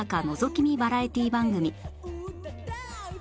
のぞき見バラエティー番組